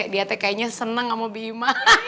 pak rt kayaknya seneng sama bima